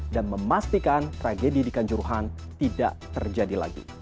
dan memastikan tragedi di kanjuruhan tidak terjadi lagi